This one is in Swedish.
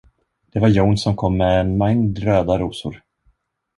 Det var Jones, som kom med en mängd röda rosor.